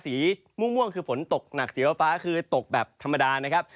สีม่วงคือฝนตกหนักสีฟ้าคือตกแบบธรรมดานะครับ